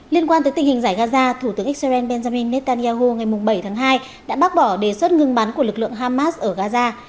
liên quan tới tình hình giải gaza thủ tướng israel benjamin netanyahu ngày bảy tháng hai đã bác bỏ đề xuất ngưng bắn của lực lượng hamas ở gaza